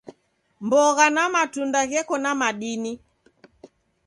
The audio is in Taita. Mbogha na matunda gheko na madini.